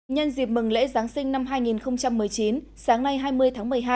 nhân dịp mừng lễ giáng sinh năm hai nghìn một mươi chín sáng nay hai mươi tháng một mươi hai